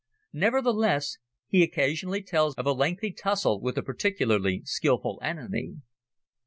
Nevertheless he occasionally tells of a lengthy tussle with a particularly skilful enemy.